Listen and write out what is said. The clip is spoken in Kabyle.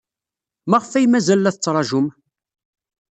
Maɣef ay mazal la tettṛajum?